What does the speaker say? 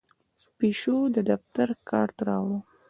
پیشو د دفتر کارت راوړ.